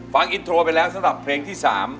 ฟังอินโทรไปแล้วสำหรับเพลงที่๓